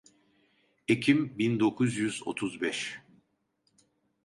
Ekim bin dokuz yüz otuz beş.